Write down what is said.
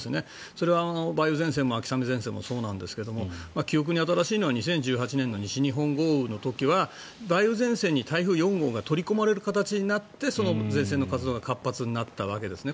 それは梅雨前線も秋雨前線もそうなんですが記憶に新しいのは２０１８年の西日本豪雨の時は梅雨前線に台風４号が取り込まれる形になって前線の活動が活発になったわけですね。